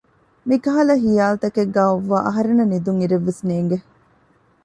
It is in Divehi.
މިކަހަލަ ހިޔާލު ތަކެއްގައި އޮއްވައި އަހަރެންނަށް ނިދުން އިރެއްވެސް ނޭންގެ